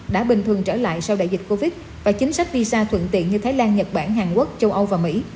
đã bình thường trở lại sau đại dịch covid và chính sách visa thuận tiện như thái lan nhật bản hàn quốc châu âu và mỹ